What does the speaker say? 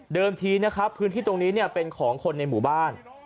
ทีนะครับพื้นที่ตรงนี้เป็นของคนในหมู่บ้าน